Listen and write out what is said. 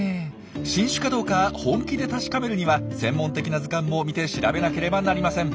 新種かどうか本気で確かめるには専門的な図鑑も見て調べなければなりません。